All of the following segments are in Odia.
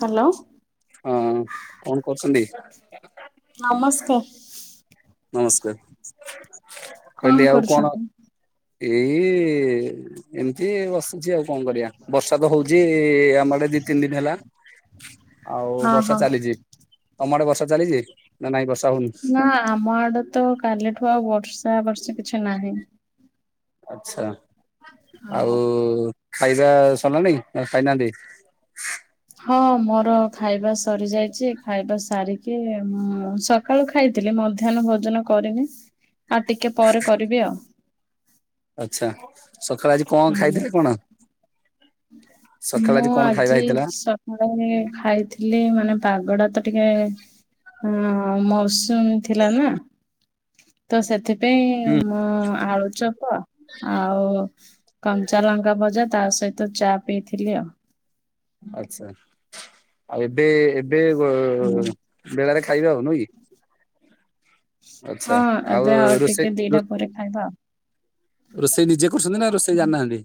ହାଲୋ। ହଁ କଣ କରୁଛନ୍ତି? ନମସ୍କାର। ନମସ୍କାର କହିଲି କଣ ଆଉ କରୁଛନ୍ତି? ଏଇ ଏମତି ବସିଛି ଆଉ କଣ କରିବା ବର୍ଷା ତ ତ ହଉଚି ଆମ ଆଡ଼େ ଦି ତିନି ଦିନ ହେଲା ଆଉ ହଁ ବର୍ଷା ହଁ। ଚାଲିଚି। ତମ ଆଡେ ବର୍ଷା ଚାଲିଚି? ନା ଆମ ଆଡେ ତ କାଲିଠୁ ଆଉ ବର୍ଷା ବର୍ଷି କିଛି ନାହିଁ। ଆଚ୍ଛା ଆଉ ହଁ। ଖାଇବା ସରିଲାଣିି ନା ଖାଇନାହାଁନ୍ତି? ହଁ ମୋର ଖାଇବା ସରି ଯାଇଚି ଖାଇବା ସାରିକି ମୁଁ ସ କାଳୁ ଖାଇଥିଲି ମଧ୍ୟାହ୍ନ ଭୋଜନ କରିନି। ଆଉ ଟିକେ ପରେ କରିବି ଆଉ। ଆଚ୍ଛା ସକାଳେ ଆଜି କଣ ହୁଁ ଖାଇଥିଲେ କଣ? ସକାଳେ ମୁଁ କଣ ଖାଇବା ଆଜି ହେଇଥିଲା ସ କାଳେ ଖାଇଥିଲି ମାନେ ପାଗଟା ତ ଟିକେ ଅଁ ମସ ସୁମ ଥିଲା ନା? ତ ସେଥିପାଇଁ ହୁଁ ମୁଁ ଆଳୁ ଚପ ଆଉ କଞ୍ଚା ଲଙ୍କା ଭଜା ତା ସହିତ ଚା ପିଇଥିଲି ଆଉ। ଆଚ୍ଛା ଆଉ ଏବେ ଏବେ ବ ହୁଁ ବେଳାରେ ଖାଇବେ ଆଉ ନୁହଁକି? ହଁ ଏବେ ଆଉ ଟିକେ ଦିଟା ପରେ ଖାଇବା ଆଉ। ରୋଷେଇ ନିଜେ କରୁଛନ୍ତି ନା ରୋଷେଇ ଜାଣି ନାହାଁନ୍ତି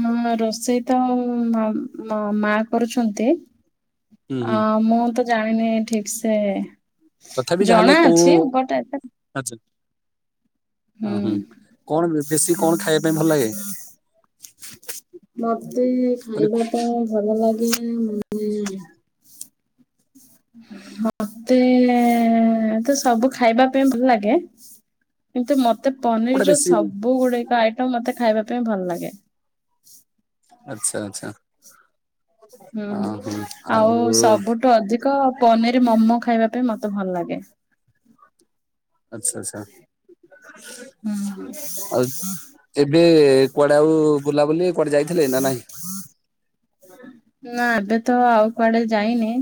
ହଁ ରୋଷେଇ ତ ମା ମୋ ମା କରୁଛନ୍ତି? ହୁଁ ଅ ହୁଁ ମୁଁ ତ ଜାଣିନି ଠିକ୍ ସେ ତଥାପି ଯାହାହେଲେ ଜଣା କୋଉ ଅଛି ବଟ୍ ଏତେ ଆଚ୍ଛା। ଉଁ ହୁଁ କଣ ବେଶୀ କଣ ଖାଇବା ପାଇଁ ଭଲ ଲାଗେ? ମତେ କହିଲି ଖାଇବା କୁ- ପାଇଁ ଭଲ ଲାଗେ ମାନେ [unintelligible] ମତେ ତ ସବୁ ଖାଇବା ପାଇଁ ଭଲ ଲାଗେ। କିନ୍ତୁ ମତେ ପନିର କୋଉଟା ର ବେଶୀ ସବୁ ଗୁଡିକ ଆଇଟମ ମତେ ଖାଇବା ପାଇଁ ଭଲ ଲାଗେ। ଆଚ୍ଛା ଆଚ୍ଛା। ହୁଁ ଆଉ ସବୁଠୁ ଅଧିକ ପନିର ମୋମୋ ଖାଇବା ପାଇଁ ମତେ ଭଲ ଲାଗେ। ଆଚ୍ଛା ଆଚ୍ଛା ହୁଁ ଆଉ ଏବେ କୁଆ ଆଉ [unintelligible] ବୁଲାବୁଲି କୁଆଡେ ଯାଇ ନା ଏବେ ତ ଆଉ କୁଆଡେ ଯାଇନି।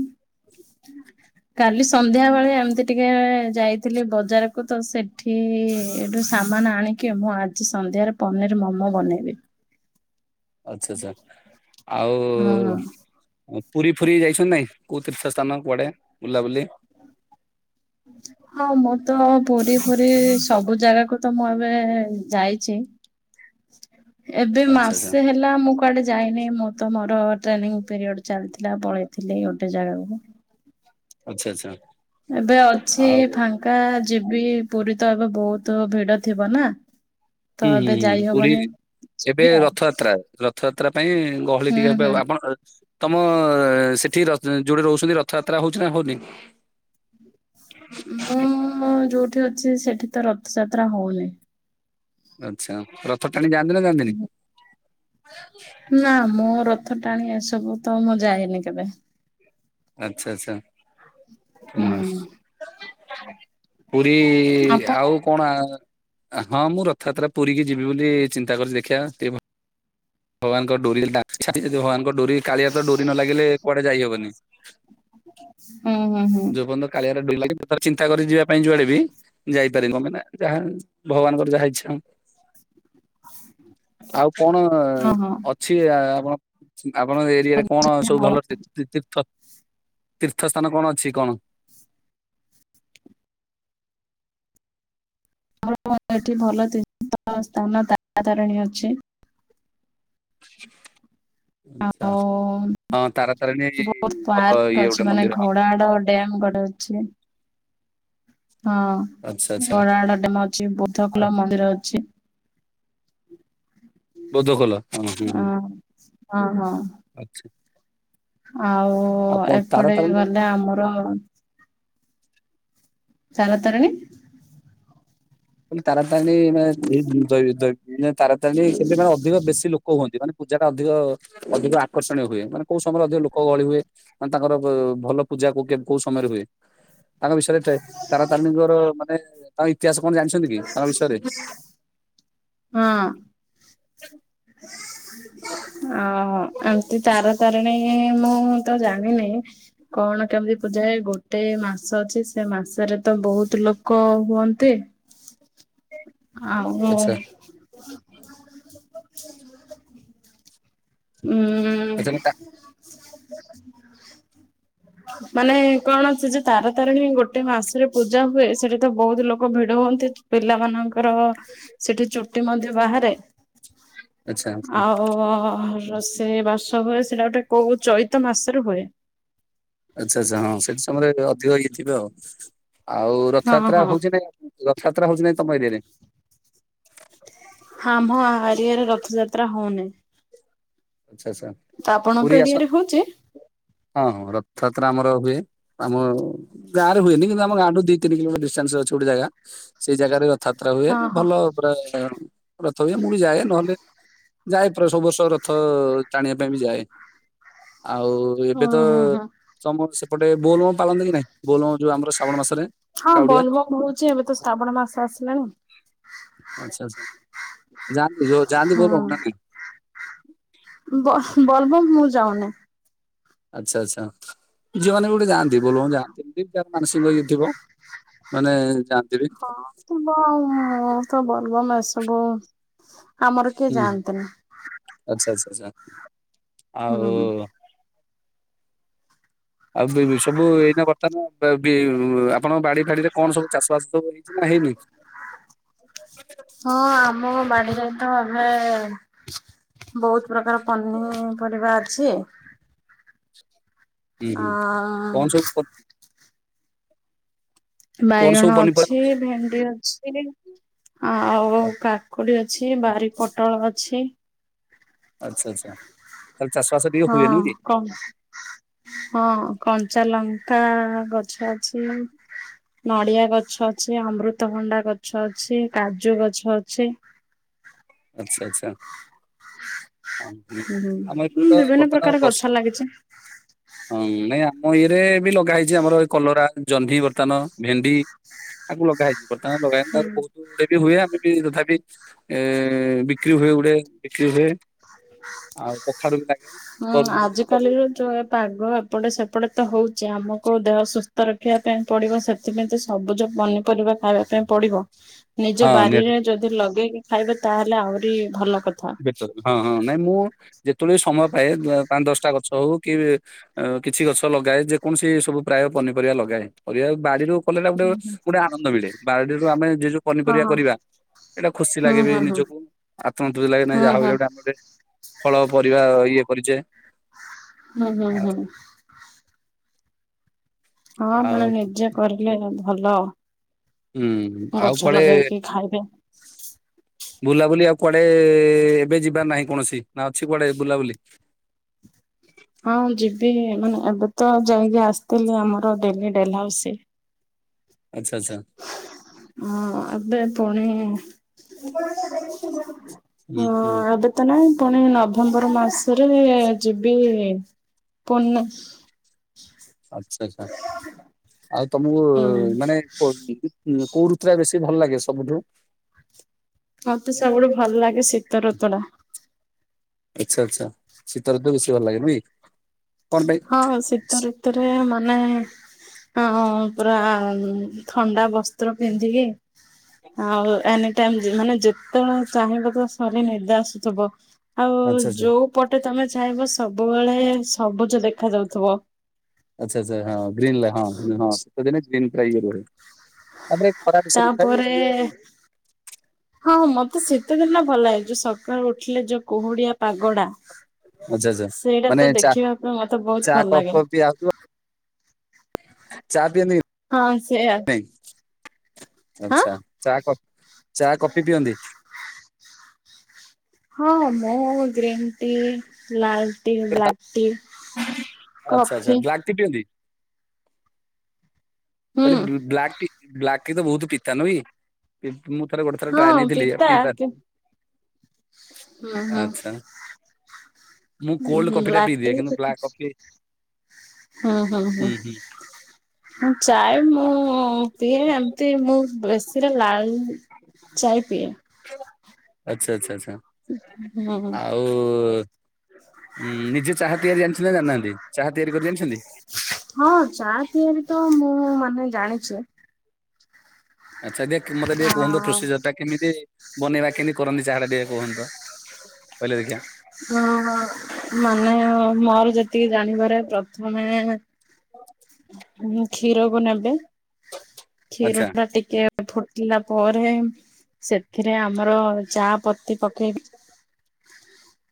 ହ [inaudible] କାଲି ସନ୍ଧ୍ୟା ବେଳେ ଏମିତି ଟିକେ ଯାଇଥିଲି ବଜାରକୁ ତ ସେଠି ଏଇଠୁ ସାମାନ ଆଣିକି ମୁଁ ଆଜି ସନ୍ଧ୍ୟାରେ ପନିର ମୋମୋ ବନେଇବି। ଆଚ୍ଛା ଆଚ୍ଛା ହଁ। ଆଉ ପୁରୀ ଫୁରୀ ଯାଇଛନ୍ତି ନାଇଁ କୋଉ ତୀର୍ଥ ସ୍ଥାନ କୁଆଡେ ବୁଲାବୁଲି? ହ ହଁ ମୁଁ ତ ପୁରୀ ଫୁରୀ ସବୁ ଜାଗାକୁ ତ ମୁଁ ଏବେ ଯାଇଛି। ଏବେ ଆଚ୍ଛା ଆଚ୍ଛା ମାସେ ହେ ହେଲା। ମୁଁ କୁଆଡେ ଯାଇନି ମୁଁ ତ ମୋର ଟ୍ରେନିଙ୍ଗ ପିରିୟଡ ଚାଲିଥିଲା ପଳେଇଥିଲି ଗୋଟେ ଜାଗାକୁ। ଆଚ୍ଛା, ଆଚ୍ଛା। ଏବେ ଅଛି ଆଉ ଫାଙ୍କା ଯିବି ପୁରୀ ତ ଏବେ ବହୁତ ଭିଡ ଥିବ ନା। ତ ହୁଁ, ହୁଁ, ଏବେ ଯାଇ ହୁଁ, ପୁରୀ ହବନି ଏବେ ଯିବି ଆଉ ରଥଯାତ୍ରା ରଥଯାତ୍ରା ପାଇଁ ଗହଳି ହୁଁ ଟିକେ ହେବେ ହୁଁ। ଆପଣ ତମ ସେଠି ର ଯୋଉଟି ରହୁଛନ୍ତି ରଥଯାତ୍ରା ହଉଛି ନା ହଉନି। ମୁଁ ଯୋଉଠି ଅଛି ସେଠି ତ ରଥଯାତ୍ରା ହଉନି। ଆଚ୍ଛା ରଥଟାଣି ଯାଆନ୍ତି ନା ଯାଆନ୍ତିନି। ନା ମୋ ରଥଟାଣି ଆସେନି ତ ମୁଁ ଯାଏନି କେବେ? ଆଛା ଆଛା ହ ହୁଁ [unintelligible] ପୁରୀ ଆପଣ ଆଉ କଣ ଆ ହଁ ମୁଁ ରଥଯାତ୍ରା ପୁରୀକି ଯିବି ବୋଲି ଚିନ୍ତା କରିଛି ଦେଖିବା ଟିକେ ଭଲ ଭଗାନଙ୍କ ଡୋରି [unintelligible] ଯଦି ଭଗାନଙ୍କ ଡରି କାଳିଆ ତ ଡୋରି ନ ଲାଗିଲେ କୁଆଡେ ଯାଇହବନି। ହଁ ଯୋଉ ପର୍ଯ୍ଯନ୍ତ କାଳିଆର [unintelligible] ଡୋରି ଲାଗିବ ଚିନ୍ତା କରିବି ଯିବା ପାଇଁ ଯୁଆଡେ ବି ଯାଇପାରିବ ମାନେ ଯାହା ଭଗବାନଙ୍କର ଯାହା ଇଚ୍ଛା। ଆଉ କଣ ଅ ହଁ ହଁ। ଅଛି ଆପଣ ଆପଣ ଏରିଆ ରେ କଣ ସବୁ ଭଲ ଭଲରେ [unintelligible] ତୀ ତୀର୍ଥ ତୀର୍ଥ ସ୍ଥାନ କଣ ଅଛି କଣ? ଆ [unintelligible] ଏଠି ଭଲ [unintelligible] ତିନି ସ୍ଥାନ ତାରାତାରିଣୀ ଅଛି। [inaudible] ଆଚ୍ଛା! ଆଉ ହଁ ତାରା ତାରିଣ ବହୁତ ହବ [unintelligible] ପାର୍କ ଅଛି ଇଗୋଟେ ଭଲ ମାନେ ମନ୍ଦିର। ଘୋଡାହାଡ ଡ୍ୟାମ ଗଡ଼ ଅଛି। ଆଚ୍ଛା ହଁ ଆଚ୍ଛା ଆଉ ବରାଆଡ [unintelligible] ଡାମ ଅଛି ବୁଦ୍ଧ କଲ ମନ୍ଦିର ଅଛି। ହ [inaudible] ବଧ ଖୋଲ [unintelligible] ହୁଁ! ହଁ ହଁ ହୁଁ! ଆଚ୍ଛା। ଆଉ ଆଉ ଉ କଣ ଏପଟେ ତାରାତାରିଣୀ ଗଲେ ଆମରର ତାରା ତାରଣୀ ମୁଁ କହିଲି ତାରାତାରଣୀ ମାନେ [unintelligible] ତାରାତାରଣୀ ସେ ମାନେ ଅଧିକ ବେଶୀ ଲୋକ ହୁଅନ୍ତି ମାନେ ପୂଜା ଟା ଅଧିକ [unintelligible] ଅଧିକ ଆକର୍ଷଣୀୟ ହୁଏ ମାନେ କୋଉ ସମୟରେ ଅଧିକ ଲୋକ ଗହଳି ହୁଏ ମାନେ ତାଙ୍କର ଭଲ ପୂଜା କେବେ କୋଉ ସମୟରେ ହୁଏ? ତାଙ୍କ ବିଷୟରେ ଏ ତାରା ତାରଣୀଙ୍କର ମାନେ ତାଙ୍କ ଇତିହାସ କଣ ଜାଣିଛନ୍ତି କି ତାଙ୍କ ବିଷୟରେ? ହଁ। ଓହୋ। ତାରା ତାରିଣୀ ଏଁ ମୁଁ ତ ଜାଣିନି। କଣ କେମିତି ପୂଜା ହୁଏ ଗୋଟେ ମାସ ଅଛି ସେ ମାସରେ ତ ବହୁତ ଲୋକ ହୁଅନ୍ତି। ଆଉ ଉଃ ଆଚ୍ଛା ଆଚ୍ଛା ମୁଁ ତା ଉଁ ମାନେ କଣ ସେ ଯେ ତାରା ତାରିଣୀ ଗୋଟେ ମାସରେ ପୂଜା ହୁଏ ସେଠି ତ ବହୁତ ଲୋକ ଭିଡ ହୁଅନ୍ତି ପିଲା ମାନଙ୍କର ସେଠି ଚୁଟି ମଧ୍ୟ ବାହାରେ। ଆଚ୍ଛା ଆଉ ରୋସେଇ ବାସ ହୁଏ ସେଇଟା ଗୋଟେ କୋଉ ଚୈତ ମାସରେ ହୁଏ। ଆଚ୍ଛା ଆଚ୍ଛା ହଁ ସେଠି ସମୟରେ ଅଧିକ ଇଏଥିବେ ଆଉ ଆଉ ହଁ ରଥଯାତ୍ରା ହଁ ହଉଛି ନାଇଁ? ରଥଯାତ୍ରା ହଉଛି ନା ନାଇଁ ତମ ଏରିଆ ରେ? ଆମହ ହରିଆରେ ରଥଯାତ୍ରା ହଉନାହିଁ। ଆଚ୍ଛା ଆଛା। ତ ଆପଣଙ୍କ ଏରିଆରେ ହଉଛି? ହଁଁ ହଁ ରଥଯାତ୍ରା ଆମର ହୁଏ। ଆମ ଗାଁରେ ହୁଏନି କିନ୍ତୁ ଆମ ଗାଁଠୁ ଦି ତିନ କିଲୋମିଟର ଡିଟାନ୍ସ ଅଛି ଗୋଟେ ଜାଗା ସେଇ ଜାଗାରେ ରଥଯାତ୍ରା ହୁଏ ହଁ ହଁ ଭଲ ପୁରା ରଥ ହୁଏ ମୁଁ ବି ଯାଏ ନହେଲେ ଯାଏ ପ୍ରାୟ ସବୁ ବର୍ଷ। ରଥ ଟାଣିବା ପାଇଁ ବି ଯାଏ ଆଉ ଏବେ ହୁଁ ତ ହୁଁ ହୁଁ। ତମର ସେପଟେ ବୋଲବମ ପାଳନ୍ତି କି ନାଇଁ ବୋଲବମ ଯୋଉ ଆମର ଶ୍ରାବଣ ମାସରେ? ହଁ କାଉଡିଆ ବୋଲବମ ହଉଛି ଏବେ ତ ଶ୍ରାବଣ ମାସ ଆସିଲାଣି। ଆଚ୍ଛା ଆଚ୍ଛା ଜାନ୍ତି ଜୋଉ ଜାନ୍ତି ବୋଲବମ ନା ନାଇଁ? ହୁଁ [inaudible] ବ ବଲବମ ମୁଁ ଯାଉନି। ଆଚ୍ଛା ଆଚ୍ଛା ଝିଅ ମାନେ ବି ଗୋଟେ ଯାଆନ୍ତି ବୋଲ ଯାନ୍ତି ଏମିତି ମାନସିକ ଇଏଥିବ। ମାନେ ଯାଆନ୍ତି ବି କଣ ଥିବ ଉଃ ଆଉ ବୋଲବମ ଏସବୁ ଆମର କିଏ ଯାଆନ୍ତିନି? ଆଛା ଆଛା ଆଛା ହୁଁ ଆଉ ଆଉ ସବୁ ଏଇନା ବର୍ତ୍ତମାନ ଆପଣଙ୍କ ବାଡି ଫାଡିରେ କଣ ସବୁ ଚାଷ ବାସ ସବୁ ହେଇଛି ନା ହେଇନି? [inaudible] ହଁ ଆମ ବାଡିରେ ତ ଆମେ ବହୁତ ପ୍ରକାର ପନି ପନିପରିବା ଅଛି। ହୁଁ ଅ ହୁଁ କଣ ସବୁ? କଣ ସବୁ ବାଇଗଣ ପନିପରିବା ଅଛି ଲଗେଇ- ଭେଣ୍ଡି ଅଛି। ଆଉ କାକୁଡି ଅଛି ବାରି ପୋଟଳ ଅଛି। ଆଚ୍ଛା ଆଚ୍ଛା ତାଲେ ଚାଷବାସ ଟିକେ ହୁଏନୁହଁ କି? କଣ? ହଁ କଞ୍ଚା ଲଙ୍କା ଗଛ ଅଛି। ନଡ଼ିଆ ଗଛ ଅଛି ଅମୃତଭଣ୍ଡା ଗଛ ଅଛି କାଜୁ ଗଛ ଅଛି। ଆଚ୍ଛା ଆଛା। ହଁ ହୁଁ ଆମର ଏପଟ ତ ବିଭିନ୍ନ ବର୍ତ୍ତମାନ ପ୍ରକାର ବର୍ଷ ଗଛ ଲାଗିଛି ହଁ ନାଇଁ ଆମ ଇଏରେ ବି ଲଗା ହେଇଛି ଆମର କଲରା ଜହ୍ନି ବର୍ତ୍ତମାନ ଭେଣ୍ଡି ଆକୁ ଲଗା ହେଇଛି ବର୍ତ୍ତମାନ ଲଗା ହୁଁ। ବହୁତ ଗଡେ ବି ହୁଏ ଆମେ ବି ଯଥାପି ଏ ବିକ୍ରି ହୁଏ ଗୋଟେ ବିକ୍ରି ହୁଏ ଆଉ କଖାରୁ [unintelligible] ହୁଁ ତରଭୁଜ ଦିନ ତରଭୁଜ ଆଜିକାଲିରୁ ଏ ପାଗ ଏପଟେ ସେପଟେ ତ ହଉଛି ଆମକୁ ଦେହ ସୁସ୍ଥ ରଖିବା ପାଇଁ ପଡିବ ସେ ସେଥିପାଇଁ ତ ସବୁଜ ପନିପରିବା ଖାଇବା ପାଇଁ ପଡିବ ନିଜ ହଁ ନିହାତି ବାରିରେ ଯଦି ଲଗେଇକି ଖାଇବେ ତାହେଲେ ଆହୁରି ଭଲ କଥା ହଁ ହଁ ନାଇଁ ମୁଁ ଯେତେବେଳେ ବି ସମୟ ପାଏ ପାଞ୍ଚ ଦଶଟା ଗଛ ହଉ କି ଅ କିଛି ଗଛ ଲଗାଏ ଯେକୌଣସି ସବୁ ପ୍ରାୟ ପନିପରିବା ଲଗାଏ ପରିବା ବାଡିରୁ କଲୋ ଗୋଟେ ଗୋଟେ ଆନନ୍ଦ ମିଳେ ବାରଡିରୁ ଆମେ ଯ ଯୋଉ ପନିପରିବା ହଁ କରିବା ଏଇଟା ଖୁସି ହୁଁ ଲାଗେ ବି ହୁଁ ହୁଁ। ନିଜକୁ ଆତ୍ମ ଲାଗେ ନାହିଁ ହୁଁ ଯାହା ହୁଁ ଗୋଟେ ଆମେ ଗୋଟେ ଫଳ ପରିବା ଇଏ କରିଛେ ହୁଁ ହୁଁ ଆଉ ହୁଁ। ହଁ ଆଉ ଆପଣ ନିଜେ କରିଲେ ଭଲ ହୁଁ ଆଉ ଗଛ କୁଆଡେ ଲଗେଇକି ଖାଇବେ। ବୁଲାବୁଲି ଆଉ କୁଆଡେ ଏବେ ଯିବାର ନାହିଁ କୌଣସି ନା ଅଛି କୁଆଡେ ବୁଲାବୁଲି ହଁ ଯିବି ମାନେ ଏବେ ତ ଯାଇକି ଆସିଥିଲି ଆମର ଡେଲି ଡେଲ ହାଉସି ଆଚ୍ଛା ଆଚ୍ଛା ହଁ ଆବେ ପୁଣି ହୁଁ ହୁଁ ହଁବେ ତ ନାଇଁ ପୁଣି ନଭେମ୍ବର ମାସରେ ଯିବି ପୂନ ଆଚ୍ଛା ଆଉ ହୁଁ ତମକୁ ମାନେ କୋଉ ରଋତୁରା ବେଶୀ ଭଲ ଲାଗେ ସବୁଠୁ ମତେ ସବୁଠୁ ଭଲ ଲାଗେ ଶୀତ ଋତୁଡା ଆଚ୍ଛା ଆଚ୍ଛା ଶୀତ ରିତୁ ତ ବେଶୀ ଭଲ ଲାଗେ ନାଇଁ ହଁ ଶୀତ ଋତୁରେ ମାନେ ହଁ ପୁରା ଥଣ୍ଡା ବସ୍ତ୍ର ପିନ୍ଧିକି ଆଉ ଏନି ଟାଇମ ମାନେ ଯେତେବେଳେ ଚାହିଁବ ତ ସରି ନିଦ ଆସୁଥିବ ଆଉ ଆଚ୍ଛା ଆଚ୍ଛା ଯୋଉ ପଟେ ତମେ ଚାହିଁବ ସବୁବେଳେ ସବୁଜ ଦେଖାଯାଉଥିବ। ଆଚଛା ଆଛା ହଁ ଗ୍ରୀ ହଁ ହଁ ସେତିନ ଗ୍ରୀଇଏ ର [unintelligible] ଖରାପ ଏସ ନଥାଇ ତାପରେ ମାନେ ହଁ ମତେ ଶୀତ ଦିନ ଭଲ ଲାଗେ ଯୋଉ ସକାଳୁ ଉଠିଲେ ଯୋଉ କୁହୁଡିଆ ପାଗଡା ଆଚ୍ଛା ଆଚ୍ଛା ସେଇଟା ମାନେ ତ ଚା ଦେଖିବା ପାଇଁ ମତେ ଚା ବହୁତ ଭଲ କପ୍ ଲାଗେ ଫପ୍ ପିଆ ହଉଥିବ ଚା ପିନ୍ତି ହଁ ସେଇଆ ହଁ। ଆଛା ଚା କ ଚା କପି ପିଅନ୍ତି ହଁ ମୁଁ ଗ୍ରୀନ୍ ଟି ଲାଲ ଟି ବ୍ଲାକ୍ ଟି କଫି କେଟିନ୍ତି ହୁଁ କଲେ ବ୍ଲାକ ଟି ବ୍ଲାକ ଟି ତ ବହୁତ ପିତା ନ ବି ମୁଁ ଥରେ ଗୋଟେ ଥର ଟ୍ରାଏ ହଁ ନେଇଥିଲି ପିତା ପିଇବା ହୁଁ ହୁଁ। ଆଛା ମୁଁ କୋଲ୍ଡ କଫି ଟା ବ୍ଲାକ୍ ଟି ପିଇଦିଏ କିନ୍ତୁ ବ୍ଲାକ୍ କଫି ହୁଁ ହୁଁ ହୁଁ। ଚାହ ମୁଁ ପିଏ ଏମିତି ମୁଁ ବେଶୀରେ ଲାଳ ଚାଇ ପିଏ। ଆଚ୍ଛା, ଆଚ୍ଛା, ଆଚ୍ଛା। [inaudible] ହଁ। ଆଉ ଉଁ, ନିଜେ ଚାହା ତିଆରି ଜଣିଛନ୍ତି ନା ଜାଣିନାହାନ୍ତି? ଚାହା ତିଆରି କରି ଜାଣିଛନ୍ତି? ହଁ ଚା ତିଆରି ତ ମୁଁ ମାନେ ଜାଣିଛି। ଆଚ୍ଛା ଦେଖ୍ ମୋତେ ଟିକେ କୁହନ୍ତୁ ଆ ପ୍ରୋସିଜର୍ ଟା କେମିତି? ବନେଇବା କେମିତି କରନ୍ତି ଚାହା ଟା ଟିକେ କୁହନ୍ତ? କହିଲେ ଦେଖିଆ। ହଁ, ହଁ ମାନେ ମୋର ଯେତିକି ଜାଣିବାରେ ପ୍ରଥମେ ହଁ, ହଁ। ହୁଁ, କ୍ଷୀରକୁ ନେବେ, କ୍ଷୀର ଆଚ୍ଛା ଟା ଟିକେ ଫୁଟିଲା ପରେ ସେଥିରେ ଆମର ଚା ପତି ପକେଇ [inaudible]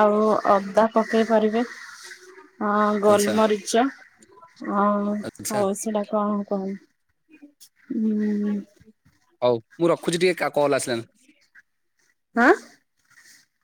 ଆଉ ଅଦା ପକେଇ ପାରିବେ ଅ, ଆଚ୍ଛା ଗୋଲମରିଚ ହଁ ଆଚ୍ଛା ହଉ ସେଟା କଣ କହନ [inaudible] ହଉ ମୁଁ ରଖୁଛି ଟିକେ କା-କଲ୍ ଆସିଲାନି। ହଁ।